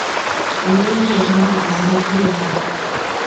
人们经常可以看到它们翱翔或栖息在篱笆桩或枯木的上方。